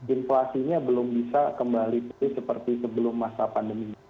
inflasinya belum bisa kembali pulih seperti sebelum masa pandemi